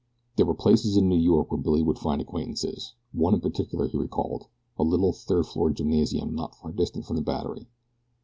There were places in New York where Billy would find acquaintances. One in particular he recalled a little, third floor gymnasium not far distant from the Battery.